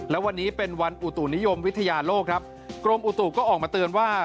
และวันนี้เป็นวันอุตุนิยมวิทยาโลกครับกรมอุตุก็ออกมาเตือนว่า